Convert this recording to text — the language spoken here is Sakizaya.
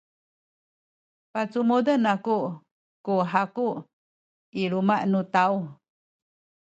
pacumuden aku ku haku i luma’ nu taw.